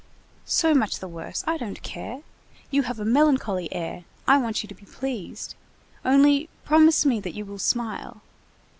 "So much the worse, I don't care. You have a melancholy air, I want you to be pleased. Only promise me that you will smile.